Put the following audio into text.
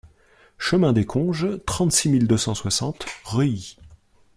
Chemin des Conges, trente-six mille deux cent soixante Reuilly